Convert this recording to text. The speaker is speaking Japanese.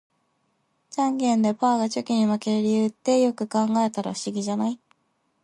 ジャンケンでパーがチョキに負ける理由って、よく考えたら不思議じゃない？